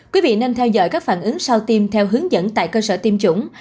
quý vị nên theo dõi các phản ứng sau tiêm theo hướng dẫn tại cơ sở tiêm chủng